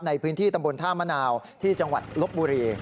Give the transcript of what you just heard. ในพื้นที่ตำบลท่ามะนาวที่จังหวัดลบบุรี